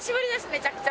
めちゃくちゃ。